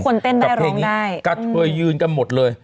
ทุกคนเต้นได้ร้องได้กับเพลงนี้กระเทยยืนกันหมดเลย